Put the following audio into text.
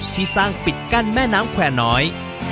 ที่สร้างปิดกั้นแม่น้ำแควร์น้อย